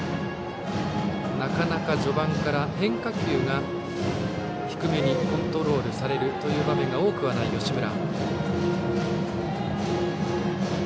なかなか序盤から、変化球が低めにコントロールされる場面が多くはない吉村。